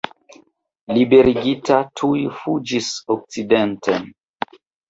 Liberigita, tuj fuĝis okcidenten.